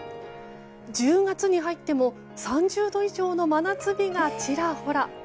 １０月に入っても３０度以上の真夏日がちらほら。